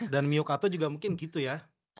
dan miyukato juga mungkin gitu ya